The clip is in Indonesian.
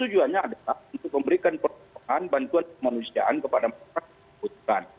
tujuan pertama adalah untuk memberikan pertolongan bantuan kemanusiaan kepada masyarakat yang dibutuhkan